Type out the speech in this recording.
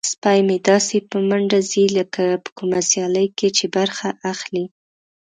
سپی مې داسې په منډه ځي لکه په کومه سیالۍ کې چې برخه اخلي.